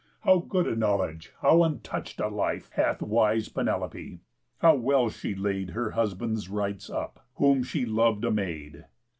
How good a knowledge, how untouch'd a life, Hath wise Penelope! How well she laid Her husband's rights up, whom she lov'd a maid!